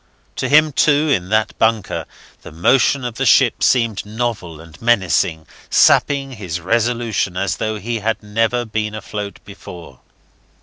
To him, too, in that bunker, the motion of the ship seemed novel and menacing, sapping his resolution as though he had never been afloat before.